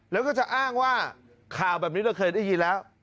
แล้วก็จะอ้างว่าข่าวแบบนี้เราเคยได้ยินแล้ว